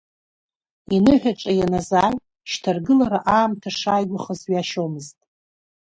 Иныҳәаҿа ианазааи, шьҭа ргылара аамҭа шааигәахаз ҩашьомызт.